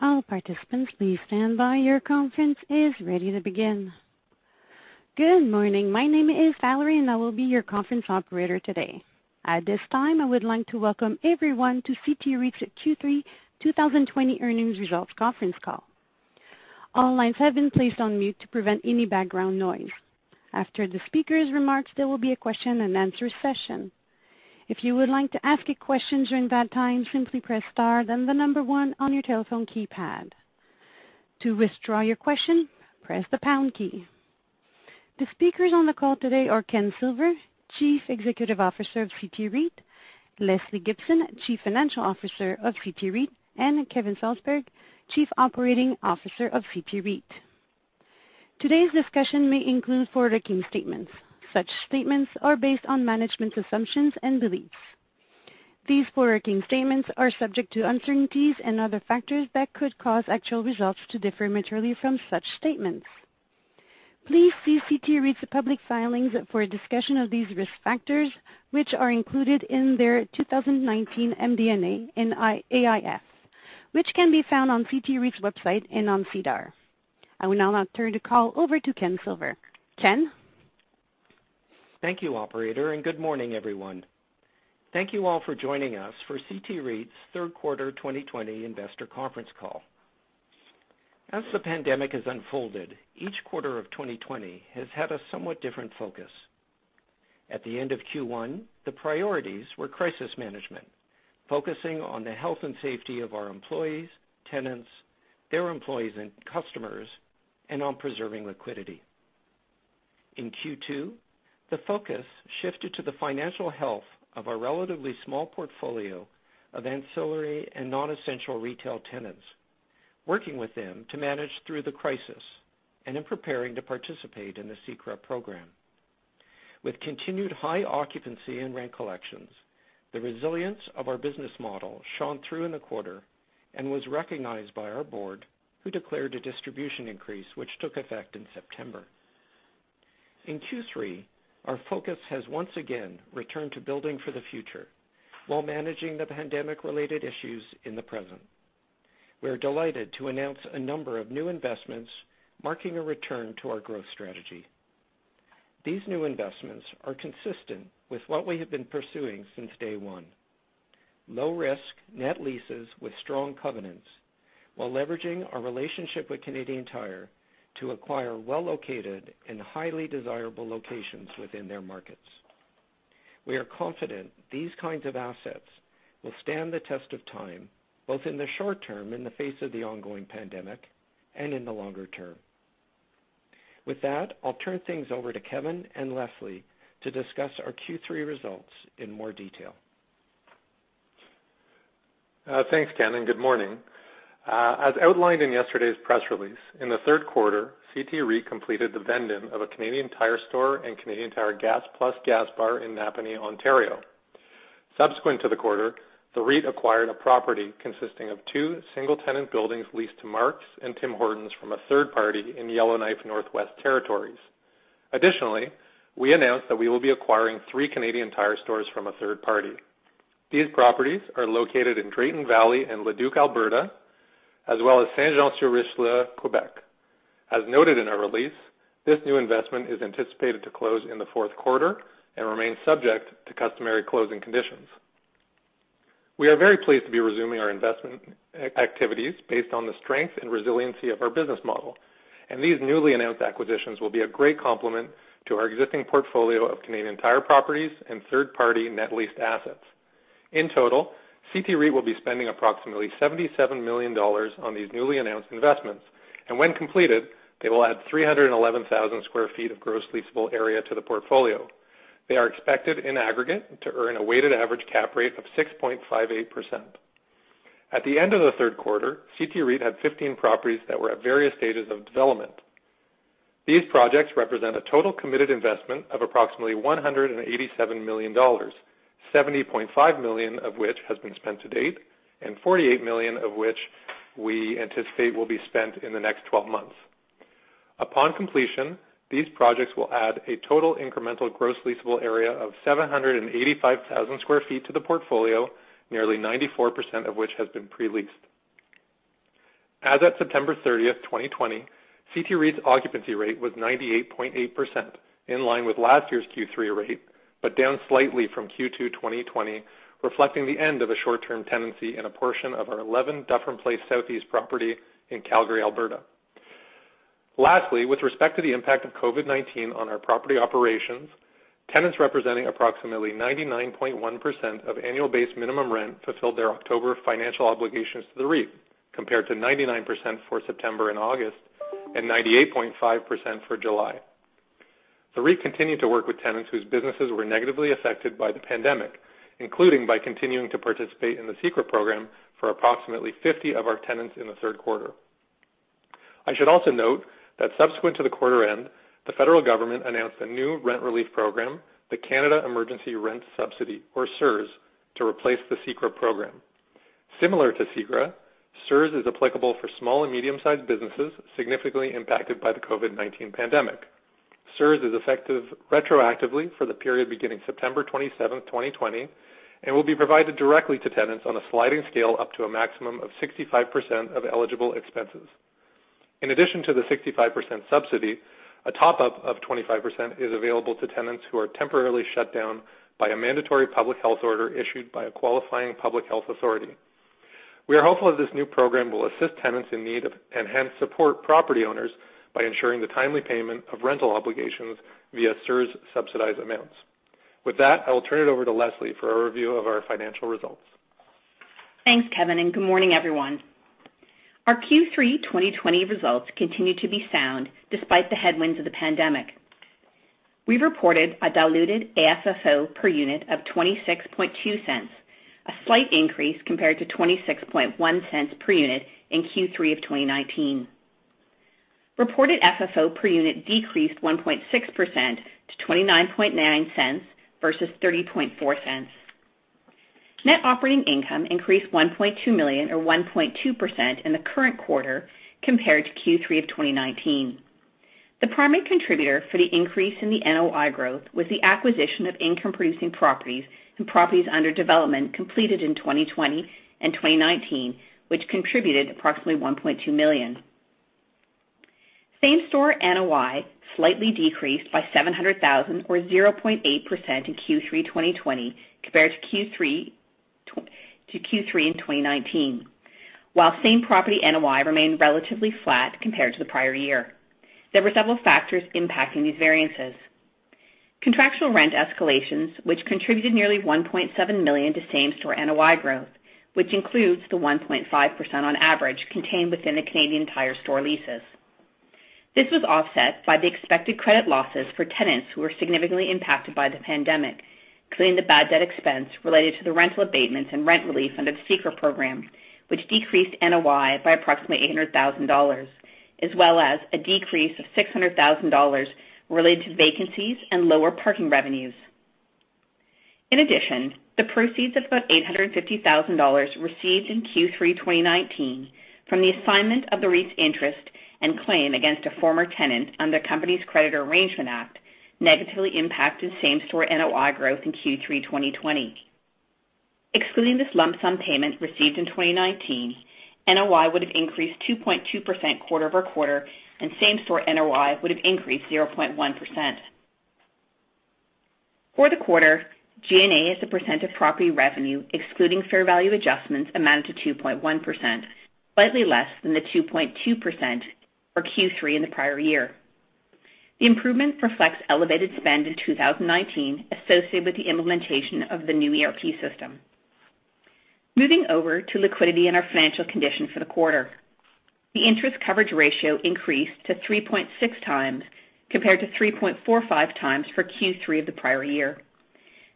Good morning. My name is Valerie, and I will be your conference operator today. At this time, I would like to Welcome everyone to CT REIT's Q3 2020 earnings results conference call. All lines have been placed on mute to prevent any background noise. After the speakers' remarks, there will be a question and answer session. If you would like to ask a question during that time, simply press star then the number one on your telephone keypad. To withdraw your question, press the pound key. The speakers on the call today are Ken Silver, Chief Executive Officer of CT REIT, Lesley Gibson, Chief Financial Officer of CT REIT, and Kevin Salsberg, Chief Operating Officer of CT REIT. Today's discussion may include forward-looking statements. Such statements are based on management's assumptions and beliefs. These forward-looking statements are subject to uncertainties and other factors that could cause actual results to differ materially from such statements. Please see CT REIT's public filings for a discussion of these risk factors, which are included in their 2019 MD&A and AIF, which can be found on CT REIT's website and on SEDAR. I will now turn the call over to Ken Silver. Ken? Thank you, operator, and good morning, everyone. Thank you all for joining us for CT REIT's third quarter 2020 investor conference call. As the pandemic has unfolded, each quarter of 2020 has had a somewhat different focus. At the end of Q1, the priorities were crisis management, focusing on the health and safety of our employees, tenants, their employees and customers, and on preserving liquidity. In Q2, the focus shifted to the financial health of our relatively small portfolio of ancillary and non-essential retail tenants, working with them to manage through the crisis and in preparing to participate in the CECRA program. With continued high occupancy and rent collections, the resilience of our business model shone through in the quarter and was recognized by our board, who declared a distribution increase, which took effect in September. In Q3, our focus has once again returned to building for the future while managing the pandemic-related issues in the present. We're delighted to announce a number of new investments marking a return to our growth strategy. These new investments are consistent with what we have been pursuing since day one: low-risk net leases with strong covenants while leveraging our relationship with Canadian Tire to acquire well-located and highly desirable locations within their markets. We are confident these kinds of assets will stand the test of time, both in the short term, in the face of the ongoing pandemic, and in the longer term. With that, I'll turn things over to Kevin and Lesley to discuss our Q3 results in more detail. Thanks, Ken, and good morning. As outlined in yesterday's press release, in the third quarter, CT REIT completed the vend-in of a Canadian Tire store and Canadian Tire Gas+ gas bar in Napanee, Ontario. Subsequent to the quarter, the REIT acquired a property consisting of two single-tenant buildings leased to Mark's and Tim Hortons from a third party in Yellowknife, Northwest Territories. Additionally, we announced that we will be acquiring three Canadian Tire stores from a third party. These properties are located in Drayton Valley and Leduc, Alberta, as well as Saint-Jean-sur-Richelieu, Quebec. As noted in our release, this new investment is anticipated to close in the fourth quarter and remains subject to customary closing conditions. We are very pleased to be resuming our investment activities based on the strength and resiliency of our business model, and these newly announced acquisitions will be a great complement to our existing portfolio of Canadian Tire properties and third-party net leased assets. In total, CT REIT will be spending approximately 77 million dollars on these newly announced investments, and when completed, they will add 311,000 sq ft of gross leasable area to the portfolio. They are expected, in aggregate, to earn a weighted average cap rate of 6.58%. At the end of the third quarter, CT REIT had 15 properties that were at various stages of development. These projects represent a total committed investment of approximately 187 million dollars, 70.5 million of which has been spent to date and 48 million of which we anticipate will be spent in the next 12 months. Upon completion, these projects will add a total incremental gross leasable area of 785,000 sq ft to the portfolio, nearly 94% of which has been pre-leased. As of September 30th, 2020, CT REIT's occupancy rate was 98.8%, in line with last year's Q3 rate, but down slightly from Q2 2020, reflecting the end of a short-term tenancy and a portion of our 11 Dufferin Place SE property in Calgary, Alberta. Lastly, with respect to the impact of COVID-19 on our property operations, tenants representing approximately 99.1% of annual base minimum rent fulfilled their October financial obligations to the REIT, compared to 99% for September and August and 98.5% for July. The REIT continued to work with tenants whose businesses were negatively affected by the pandemic, including by continuing to participate in the CECRA program for approximately 50 of our tenants in the third quarter. I should also note that subsequent to the quarter end, the federal government announced a new rent relief program, the Canada Emergency Rent Subsidy, or CERS, to replace the CECRA program. Similar to CECRA, CERS is applicable for small and medium-sized businesses significantly impacted by the COVID-19 pandemic. CERS is effective retroactively for the period beginning September 27th, 2020, and will be provided directly to tenants on a sliding scale up to a maximum of 65% of eligible expenses. In addition to the 65% subsidy, a top-up of 25% is available to tenants who are temporarily shut down by a mandatory public health order issued by a qualifying public health authority. We are hopeful that this new program will assist tenants in need of enhanced support property owners by ensuring the timely payment of rental obligations via CERS subsidized amounts. With that, I will turn it over to Lesley for a review of our financial results. Thanks, Kevin, good morning, everyone. Our Q3 2020 results continue to be sound despite the headwinds of the pandemic. We reported a diluted AFFO per unit of 0.262, a slight increase compared to 0.261 per unit in Q3 2019. Reported FFO per unit decreased 1.6% to 0.299 versus 0.304. Net operating income increased 1.2 million, or 1.2% in the current quarter compared to Q3 2019. The primary contributor for the increase in the NOI growth was the acquisition of income-producing properties and properties under development completed in 2020 and 2019, which contributed approximately 1.2 million. Same store NOI slightly decreased by 700,000 or 0.8% in Q3 2020 compared to Q3 2019. Same property NOI remained relatively flat compared to the prior year. There were several factors impacting these variances. Contractual rent escalations, which contributed nearly 1.7 million to same store NOI growth, which includes the 1.5% on average, contained within the Canadian Tire store leases. This was offset by the expected credit losses for tenants who were significantly impacted by the pandemic, including the bad debt expense related to the rental abatements and rent relief under the CECRA, which decreased NOI by approximately 800,000 dollars, as well as a decrease of 600,000 dollars related to vacancies and lower parking revenues. In addition, the proceeds of about 850,000 dollars received in Q3 2019 from the assignment of the REIT's interest and claim against a former tenant under the Companies' Creditors Arrangement Act, negatively impacted same store NOI growth in Q3 2020. Excluding this lump sum payment received in 2019, NOI would've increased 2.2% quarter-over-quarter, and same store NOI would've increased 0.1%. For the quarter, G&A as a percent of property revenue, excluding fair value adjustments, amounted to 2.1%, slightly less than the 2.2% for Q3 in the prior year. The improvement reflects elevated spend in 2019 associated with the implementation of the new ERP system. Moving over to liquidity and our financial condition for the quarter. The interest coverage ratio increased to 3.6x compared to 3.45x for Q3 of the prior year.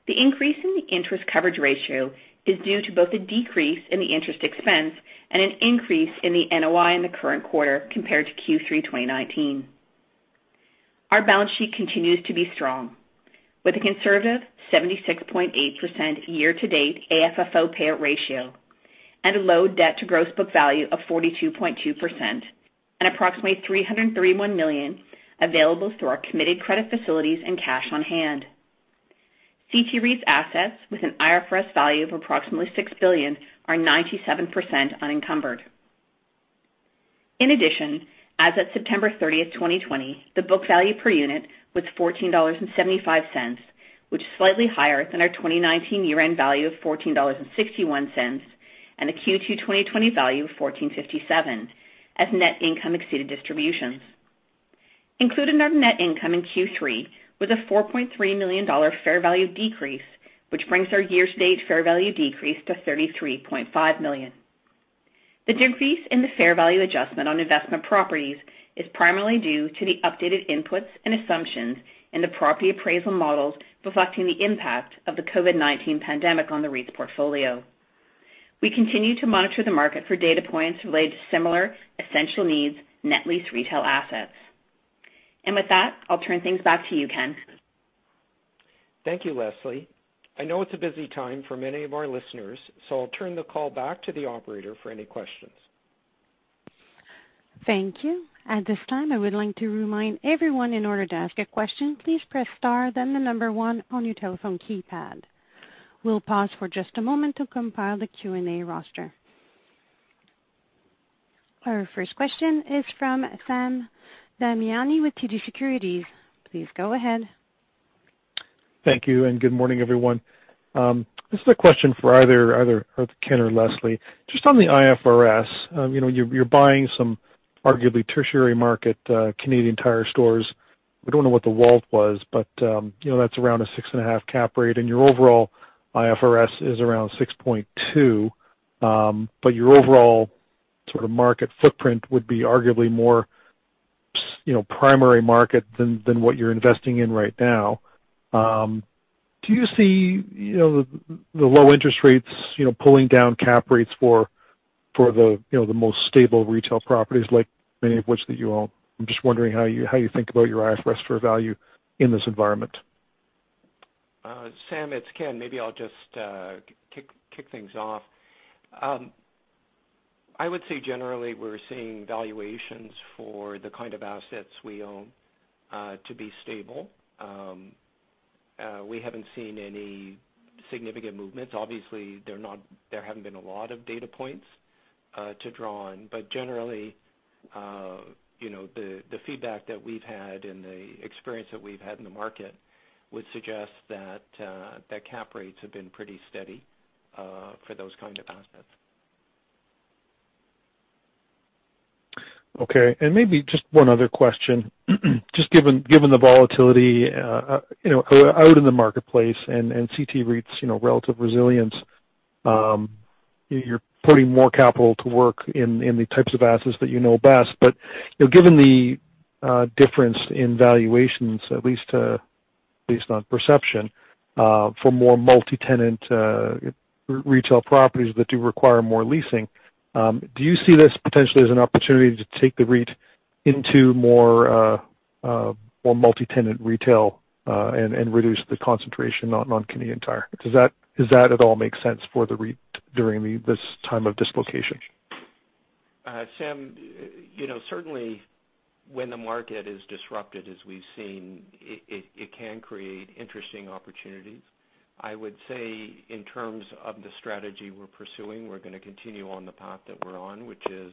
The increase in the interest coverage ratio is due to both a decrease in the interest expense and an increase in the NOI in the current quarter compared to Q3 2019. Our balance sheet continues to be strong with a conservative 76.8% year to date AFFO payout ratio and a low debt to gross book value of 42.2%, and approximately 331 million available through our committed credit facilities and cash on hand. CT REIT's assets with an IFRS value of approximately 6 billion are 97% unencumbered. In addition, as of September 30th, 2020, the book value per unit was 14.75 dollars, which is slightly higher than our 2019 year-end value of 14.61 dollars, and the Q2 2020 value of 14.57 as net income exceeded distributions. Included in our net income in Q3 was a 4.3 million dollar fair value decrease, which brings our year to date fair value decrease to 33.5 million. The decrease in the fair value adjustment on investment properties is primarily due to the updated inputs and assumptions in the property appraisal models, reflecting the impact of the COVID-19 pandemic on the REIT's portfolio. We continue to monitor the market for data points related to similar essential needs, net lease retail assets. With that, I'll turn things back to you, Ken. Thank you, Lesley. I know it's a busy time for many of our listeners. I'll turn the call back to the operator for any questions. Thank you. Our 1st question is from Sam Damiani with TD Securities. Please go ahead. Thank you, and good morning, everyone. This is a question for either Ken or Lesley. Just on the IFRS. You're buying some arguably tertiary market, Canadian Tire stores. I don't know what the WALT was, but that's around a six and a half cap rate, and your overall IFRS is around 6.2. Your overall sort of market footprint would be arguably more primary market than what you're investing in right now. Do you see the low interest rates pulling down cap rates for the most stable retail properties, like many of which that you own? I'm just wondering how you think about your IFRS fair value in this environment. Sam, it's Ken. Maybe I'll just kick things off. I would say generally we're seeing valuations for the kind of assets we own to be stable. We haven't seen any significant movements. Obviously, there haven't been a lot of data points to draw on. Generally, the feedback that we've had and the experience that we've had in the market would suggest that cap rates have been pretty steady for those kind of assets. Okay, maybe just one other question. Just given the volatility out in the marketplace and CT REIT's relative resilience, you're putting more capital to work in the types of assets that you know best. Given the difference in valuations, at least based on perception, for more multi-tenant retail properties that do require more leasing, do you see this potentially as an opportunity to take the REIT into more multi-tenant retail and reduce the concentration on Canadian Tire? Does that at all make sense for the REIT during this time of dislocation? Sam, certainly when the market is disrupted as we've seen, it can create interesting opportunities. I would say in terms of the strategy we're pursuing, we're going to continue on the path that we're on, which is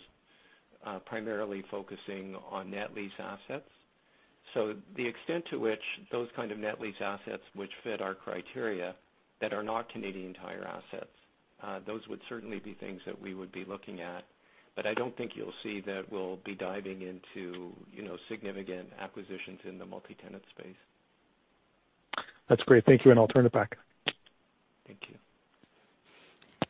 primarily focusing on net lease assets. The extent to which those kind of net lease assets which fit our criteria that are not Canadian Tire assets, those would certainly be things that we would be looking at. I don't think you'll see that we'll be diving into significant acquisitions in the multi-tenant space. That's great. Thank you, and I'll turn it back. Thank you.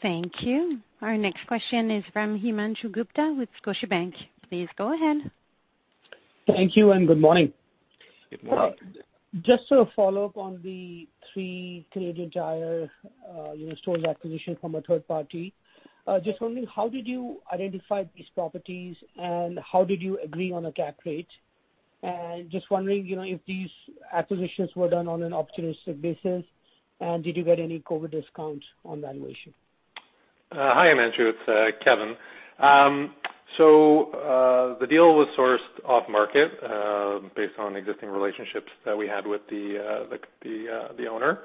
Thank you. Our next question is from Himanshu Gupta with Scotiabank. Please go ahead. Thank you, and good morning. Good morning. Just a follow-up on the three Canadian Tire stores acquisition from a third party. Just wondering, how did you identify these properties, and how did you agree on a cap rate? Just wondering if these acquisitions were done on an opportunistic basis, and did you get any COVID discounts on valuation? Hi, Himanshu, it's Kevin. The deal was sourced off-market based on existing relationships that we had with the owner.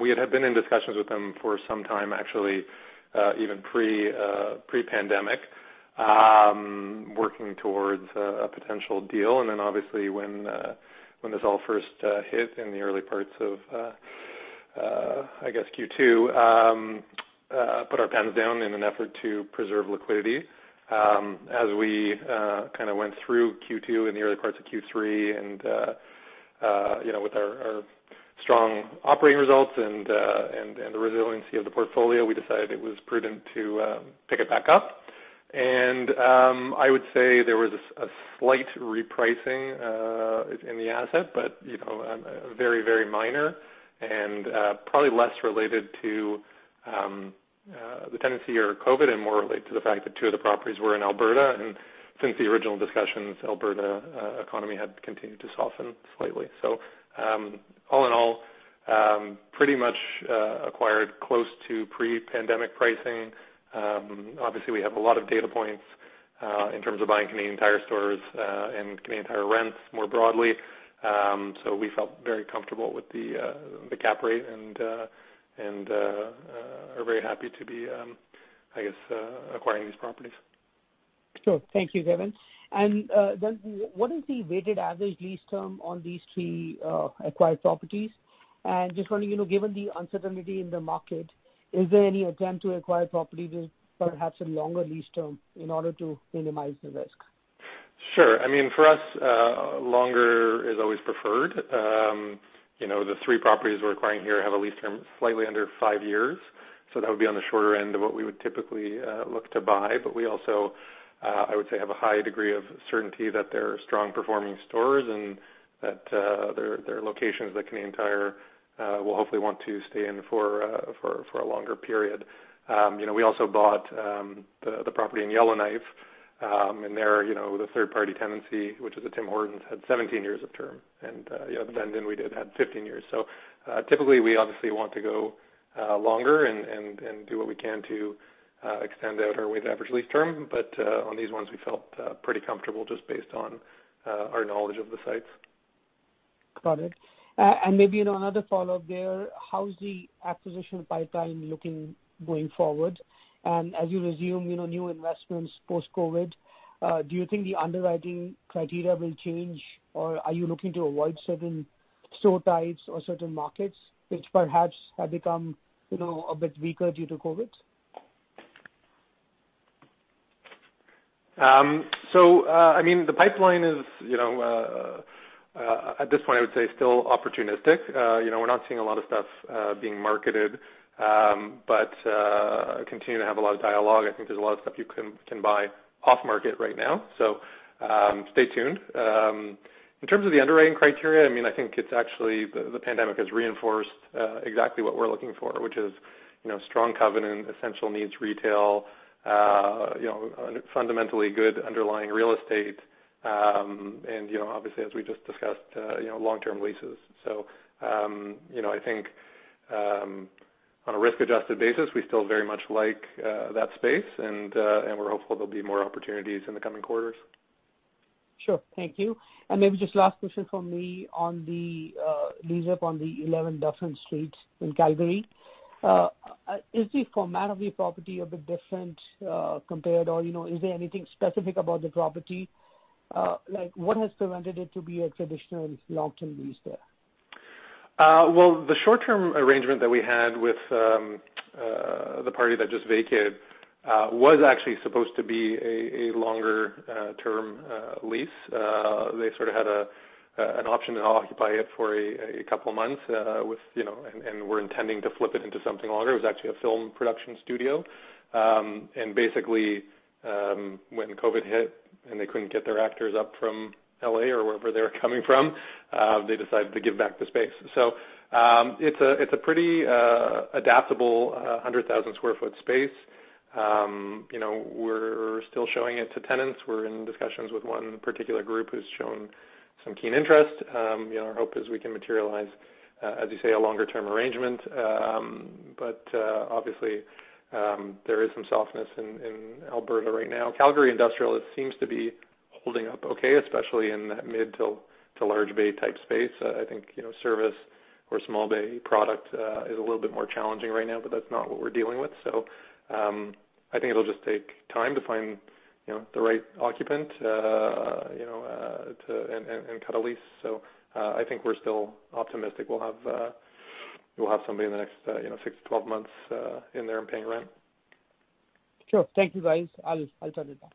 We had been in discussions with them for some time, actually even pre-pandemic, working towards a potential deal. Obviously when this all 1st hit in the early parts of, I guess Q2, put our pens down in an effort to preserve liquidity. As we kind of went through Q2 and the early parts of Q3 and with our strong operating results and the resiliency of the portfolio, we decided it was prudent to pick it back up. I would say there was a slight repricing in the asset, but very, very minor and probably less related to the tenancy or COVID and more related to the fact that two of the properties were in Alberta. Since the original discussions, Alberta economy had continued to soften slightly. All in all, pretty much acquired close to pre-pandemic pricing. We have a lot of data points in terms of buying Canadian Tire stores and Canadian Tire rents more broadly. We felt very comfortable with the cap rate and are very happy to be, I guess, acquiring these properties. Sure. Thank you, Kevin. Then what is the weighted average lease term on these three acquired properties? Just wondering, given the uncertainty in the market, is there any attempt to acquire properties with perhaps a longer lease term in order to minimize the risk? Sure. For us, longer is always preferred. The three properties we're acquiring here have a lease term slightly under five years, so that would be on the shorter end of what we would typically look to buy. We also, I would say, have a high degree of certainty that they're strong-performing stores and that they're locations that Canadian Tire will hopefully want to stay in for a longer period. We also bought the property in Yellowknife, and there, the third party tenancy, which is a Tim Hortons, had 17 years of term. The other vend-in we did had 15 years. Typically, we obviously want to go longer and do what we can to extend out our weighted average lease term. On these ones, we felt pretty comfortable just based on our knowledge of the sites. Got it. Maybe another follow-up there. How's the acquisition pipeline looking going forward? As you resume new investments post-COVID, do you think the underwriting criteria will change, or are you looking to avoid certain store types or certain markets which perhaps have become a bit weaker due to COVID? The pipeline is, at this point, I would say still opportunistic. We're not seeing a lot of stuff being marketed, but continue to have a lot of dialogue. I think there's a lot of stuff you can buy off-market right now. Stay tuned. In terms of the underwriting criteria, I think it's actually the pandemic has reinforced exactly what we're looking for, which is strong covenant, essential needs retail, fundamentally good underlying real estate. And obviously, as we just discussed, long-term leases. I think on a risk-adjusted basis, we still very much like that space, and we're hopeful there'll be more opportunities in the coming quarters. Sure. Thank you. Maybe just last question from me on the lease-up on the 11 Dufferin Place SE in Calgary. Is the format of the property a bit different compared, or is there anything specific about the property? What has prevented it to be a traditional long-term lease there? The short-term arrangement that we had with the party that just vacated was actually supposed to be a longer term lease. They sort of had an option to occupy it for a couple of months, and were intending to flip it into something longer. It was actually a film production studio. Basically, when COVID-19 hit and they couldn't get their actors up from L.A. or wherever they were coming from, they decided to give back the space. It's a pretty adaptable 100,000 sq ft space. We're still showing it to tenants. We're in discussions with one particular group who's shown some keen interest. Our hope is we can materialize, as you say, a longer-term arrangement. Obviously, there is some softness in Alberta right now. Calgary industrial, it seems to be holding up okay, especially in that mid to large bay-type space. I think service or small bay product is a little bit more challenging right now, but that's not what we're dealing with. I think it'll just take time to find the right occupant and cut a lease. I think we're still optimistic we'll have somebody in the next 6-12 months in there and paying rent. Sure. Thank you, guys. I'll turn it back.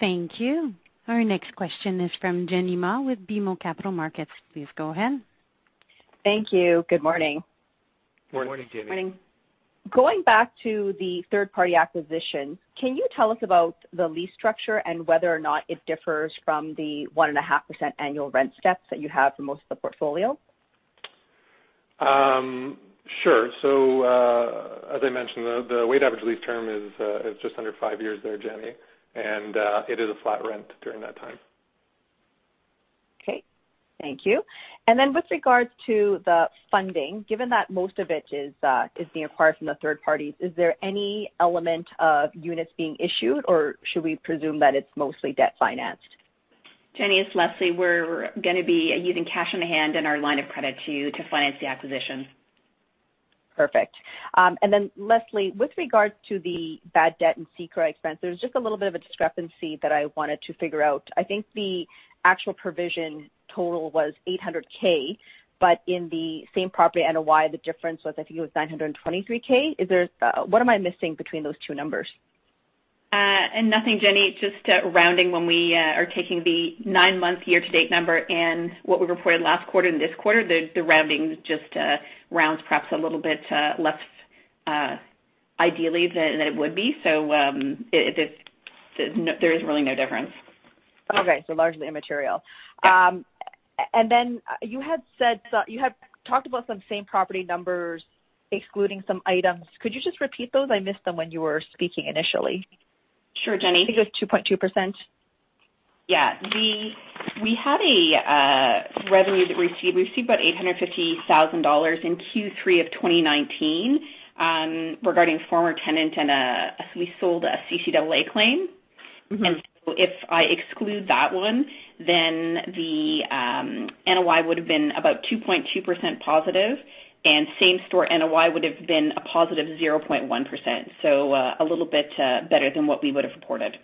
Thank you. Our next question is from Jenny Ma with BMO Capital Markets. Please go ahead. Thank you. Good morning. Good morning, Jenny. Going back to the third-party acquisition, can you tell us about the lease structure and whether or not it differs from the 1.5% annual rent steps that you have for most of the portfolio? Sure. As I mentioned, the weighted average lease term is just under five years there, Jenny. It is a flat rent during that time. Okay. Thank you. With regards to the funding, given that most of it is being acquired from the third parties, is there any element of units being issued, or should we presume that it's mostly debt-financed? Jenny, it's Lesley. We're going to be using cash on hand and our line of credit to finance the acquisition. Perfect. Then Lesley, with regards to the bad debt and CECRA expense, there's just a little bit of a discrepancy that I wanted to figure out. I think the actual provision total was 800,000, but in the same property NOI, the difference was, I think it was 923,000. What am I missing between those two numbers? Nothing, Jenny. Just rounding when we are taking the nine-month year-to-date number and what we reported last quarter and this quarter. The rounding just rounds perhaps a little bit less ideally than it would be. There is really no difference. Okay. Largely immaterial. Yes. You had talked about some same property numbers excluding some items. Could you just repeat those? I missed them when you were speaking initially. Sure, Jenny. I think it was 2.2%. Yeah. We had a revenue that we received. We received about 850,000 dollars in Q3 of 2019, regarding former tenant, and we sold a CCAA claim. If I exclude that one, then the NOI would have been about 2.2% positive, and same store NOI would've been a +0.1%, so a little bit better than what we would've reported.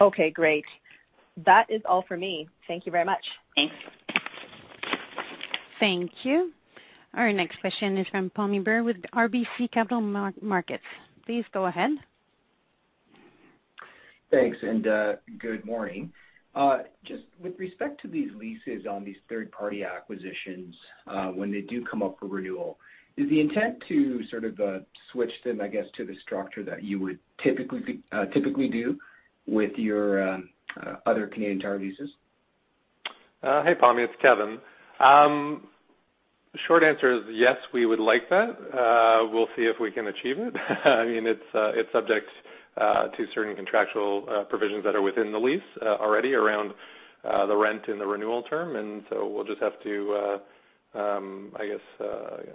Okay, great. That is all for me. Thank you very much. Thanks. Thank you. Our next question is from Pammi Bir with RBC Capital Markets. Please go ahead. Thanks. Good morning. Just with respect to these leases on these third-party acquisitions, when they do come up for renewal, is the intent to sort of switch them, I guess, to the structure that you would typically do with your other Canadian Tire leases? Hey, Pammi. It's Kevin. Short answer is yes, we would like that. We'll see if we can achieve it. It's subject to certain contractual provisions that are within the lease already around the rent and the renewal term. We'll just have to, I guess,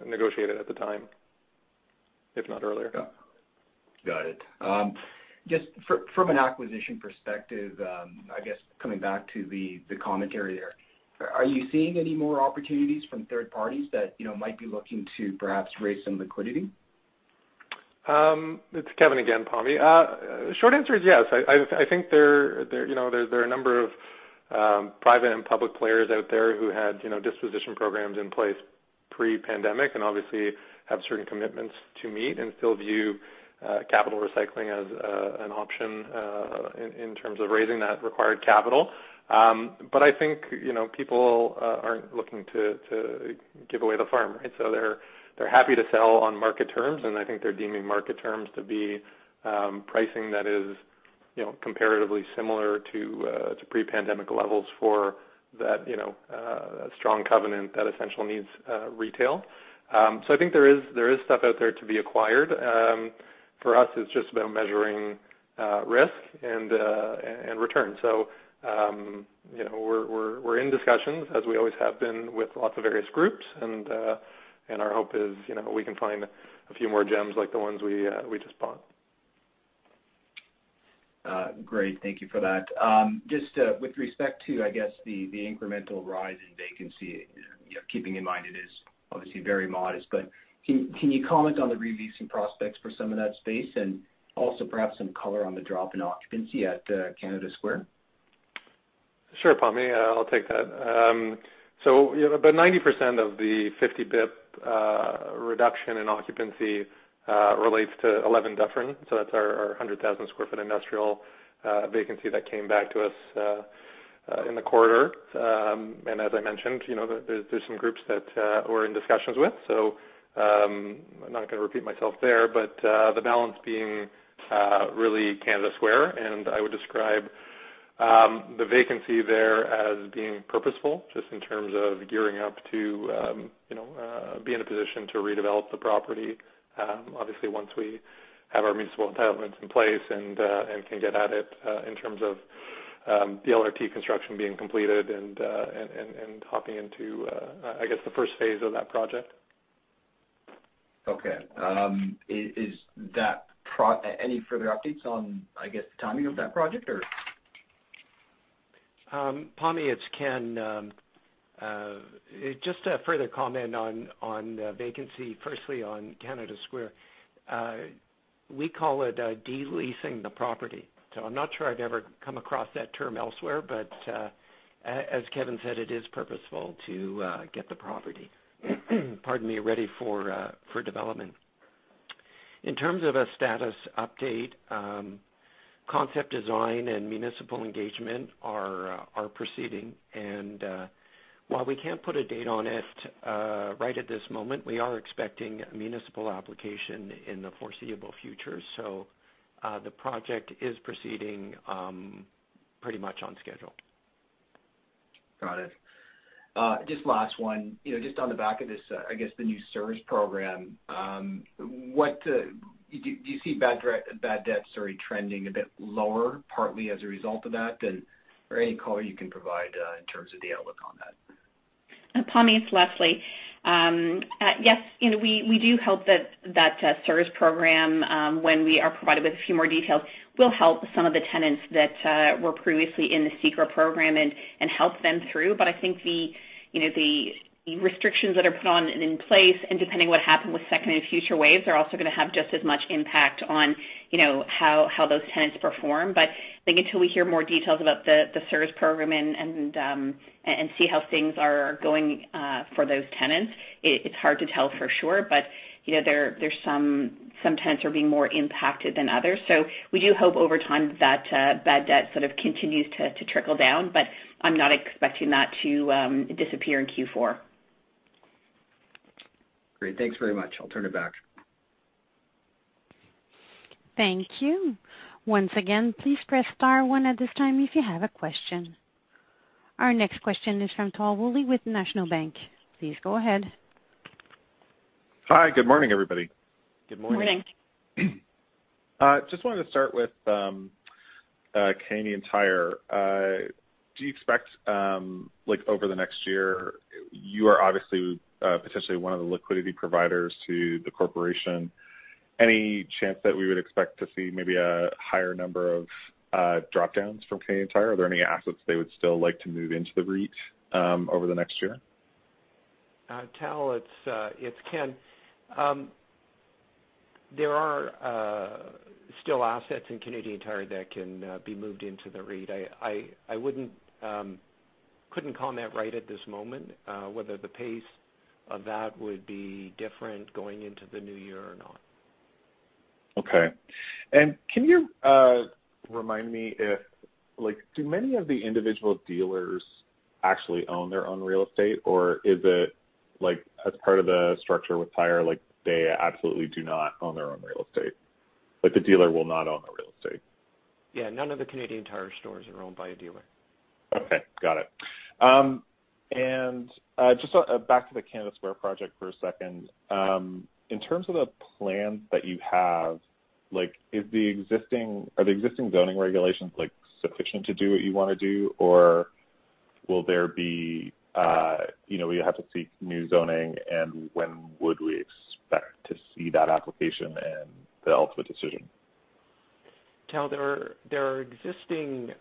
negotiate it at the time, if not earlier. Got it. Just from an acquisition perspective, I guess coming back to the commentary there, are you seeing any more opportunities from third parties that might be looking to perhaps raise some liquidity? It's Kevin again, Pammi. Short answer is yes. I think there are a number of private and public players out there who had disposition programs in place pre-pandemic, and obviously have certain commitments to meet and still view capital recycling as an option in terms of raising that required capital. I think people aren't looking to give away the farm. They're happy to sell on market terms, and I think they're deeming market terms to be pricing that is comparatively similar to pre-pandemic levels for that strong covenant, that essential needs retail. I think there is stuff out there to be acquired. For us, it's just about measuring risk and return. We're in discussions, as we always have been, with lots of various groups, and our hope is we can find a few more gems like the ones we just bought. Great. Thank you for that. Just with respect to, I guess the incremental rise in vacancy, keeping in mind it is obviously very modest, but can you comment on the re-leasing prospects for some of that space and also perhaps some color on the drop in occupancy at Canada Square? Sure, Pammi. I'll take that. About 90% of the 50 basis points reduction in occupancy relates to 11 Dufferin. That's our 100,000 sq ft industrial vacancy that came back to us in the quarter. As I mentioned, there's some groups that we're in discussions with, so I'm not going to repeat myself there, but the balance being really Canada Square, and I would describe the vacancy there as being purposeful, just in terms of gearing up to be in a position to redevelop the property. Obviously, once we have our municipal entitlements in place and can get at it in terms of the LRT construction being completed and hopping into, I guess, the 1st phase of that project. Okay. Any further updates on, I guess, the timing of that project or? Pammi, it's Ken. Just a further comment on vacancy, firstly, on Canada Square. We call it de-leasing the property. I'm not sure I've ever come across that term elsewhere, but, as Kevin said, it is purposeful to get the property, pardon me, ready for development. In terms of a status update, concept design and municipal engagement are proceeding, and while we can't put a date on it right at this moment, we are expecting a municipal application in the foreseeable future. The project is proceeding pretty much on schedule. Got it. Just last one. Just on the back of this, I guess the new CERS program. Do you see bad debts already trending a bit lower, partly as a result of that? Or any color you can provide in terms of the outlook on that. Pammi, it's Lesley. Yes, we do hope that the CERS program, when we are provided with a few more details, will help some of the tenants that were previously in the CECRA program and help them through. I think the restrictions that are put on and in place and depending what happened with 2nd and future waves, are also going to have just as much impact on how those tenants perform. I think until we hear more details about the CERS program and see how things are going for those tenants, it's hard to tell for sure. Some tenants are being more impacted than others. We do hope over time that bad debt sort of continues to trickle down, but I'm not expecting that to disappear in Q4. Great. Thanks very much. I'll turn it back. Thank you. Once again, please press star one at this time if you have a question. Our next question is from Tal Woolley with National Bank. Please go ahead. Hi, good morning, everybody. Good morning. Morning. Just wanted to start with Canadian Tire. Do you expect over the next year, you are obviously, potentially one of the liquidity providers to the corporation? Any chance that we would expect to see maybe a higher number of dropdowns from Canadian Tire? Are there any assets they would still like to move into the REIT over the next year? Tal, it's Ken. There are still assets in Canadian Tire that can be moved into the REIT. I couldn't comment right at this moment whether the pace of that would be different going into the new year or not. Okay. Can you remind me if, do many of the individual dealers actually own their own real estate, or is it as part of the structure with Tire, like they absolutely do not own their own real estate? Like the dealer will not own the real estate. Yeah. None of the Canadian Tire stores are owned by a dealer. Okay. Got it. Just back to the Canada Square project for a second. In terms of the plans that you have, are the existing zoning regulations sufficient to do what you want to do, or will you have to seek new zoning, and when would we expect to see that application and the ultimate decision? Tal, there are existing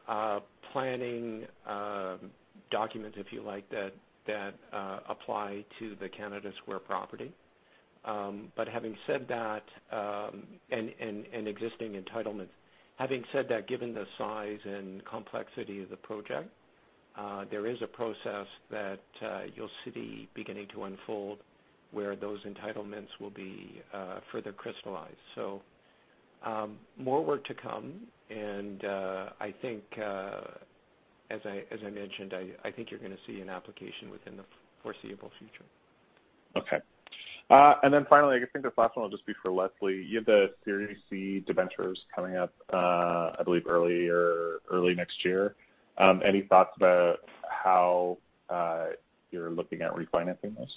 planning documents, if you like, that apply to the Canada Square property, and existing entitlement. Having said that, given the size and complexity of the project, there is a process that you'll see beginning to unfold where those entitlements will be further crystallized. More work to come, and I think, as I mentioned, I think you're going to see an application within the foreseeable future. Okay. Finally, I think this last one will just be for Lesley. You have the Series C debentures coming up, I believe early next year. Any thoughts about how you're looking at refinancing this?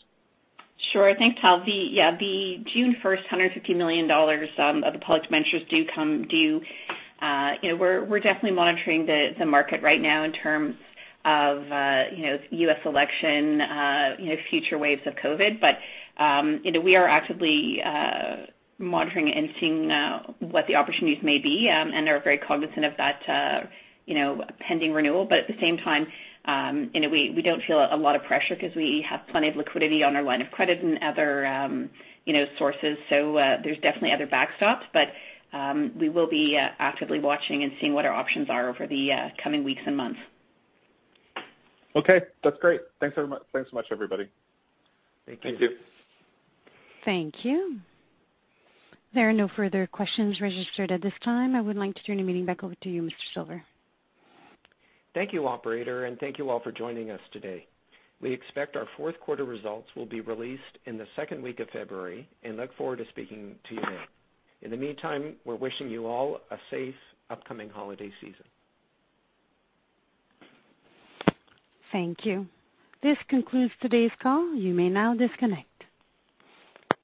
Sure. Thanks, Tal. Yeah, the June 1st, 150 million dollars of the public debentures do come due. We're definitely monitoring the market right now in terms of U.S. election, future waves of COVID. We are actively monitoring and seeing what the opportunities may be, and are very cognizant of that pending renewal. At the same time, we don't feel a lot of pressure because we have plenty of liquidity on our line of credit and other sources. There's definitely other backstops, but we will be actively watching and seeing what our options are over the coming weeks and months. Okay. That's great. Thanks so much, everybody. Thank you. Thank you. Thank you. There are no further questions registered at this time. I would like to turn the meeting back over to you, Mr. Silver. Thank you, operator. Thank you all for joining us today. We expect our fourth quarter results will be released in the 2nd week of February and look forward to speaking to you then. In the meantime, we are wishing you all a safe upcoming holiday season. Thank you. This concludes today's call. You may now disconnect.